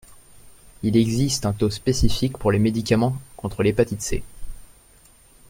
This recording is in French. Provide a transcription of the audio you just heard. Il existe un taux spécifique pour les médicaments contre l’hépatite C.